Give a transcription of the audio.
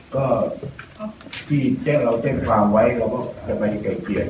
ก็พี่แจ้งเราแจ้งความว่าไว้แล้วก็จะไปกายเกียรติ